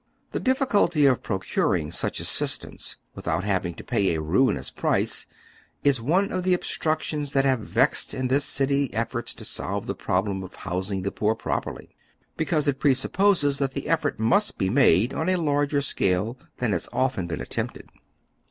The difficulty of procuring such assist ance without having to pay a ruinous price, ia one of the obstructions that have vexed in this city efforts to solve the problem of housing the poor properly, because it presup poses that the effort must be made on a larger scale than has often been attempted.